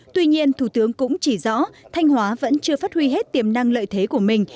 tuy nhiên thủ tướng cũng chỉ rõ thanh hóa vẫn chưa phát huy hết tiềm năng lợi thế của mình